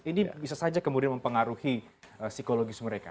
ini bisa saja kemudian mempengaruhi psikologis mereka